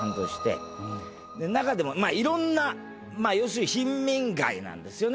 中でもいろんな要するに貧民街なんですよね。